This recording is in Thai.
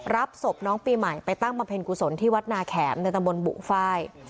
รับศพน้องปีใหม่ไปตั้งบำเพ็ญกุศลที่วัดนาแขมในตำบลบุฟ้าย